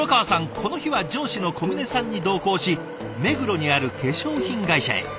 この日は上司の小峰さんに同行し目黒にある化粧品会社へ。